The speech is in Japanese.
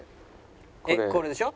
これでしょ？